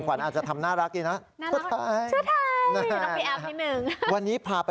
ขวัญอาจจะทำน่ารักดีนะ